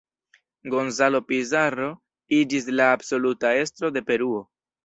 Gonzalo Pizarro iĝis la absoluta estro de Peruo.